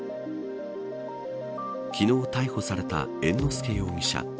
昨日逮捕された猿之助容疑者。